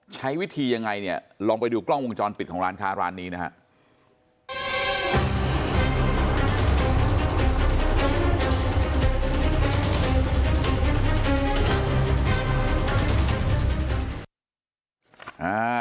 ใช้วิธียังไงเนี่ยลองไปดูกล้องวงจรปิดของร้านค้าร้านนี้นะฮะ